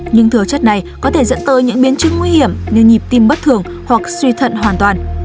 nhưng thừa chất này có thể dẫn tới những biến chứng nguy hiểm như nhịp tim bất thường hoặc suy thận hoàn toàn